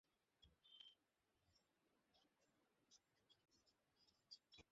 কেন্দ্রের সঙ্গে হাত মিলিয়েই তাঁকে আগামী পাঁচ বছর দিল্লি সামলাতে হবে।